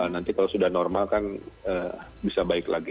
nanti kalau sudah normal kan bisa baik lagi